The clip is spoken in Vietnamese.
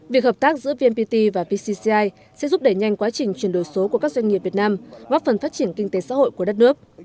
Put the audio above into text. việc hợp tác giữa vnpt và vcci sẽ giúp đẩy nhanh quá trình chuyển đổi số của các doanh nghiệp việt nam góp phần phát triển kinh tế xã hội của đất nước